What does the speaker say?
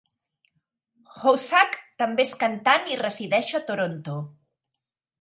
Hossack també és cantant i resideix a Toronto.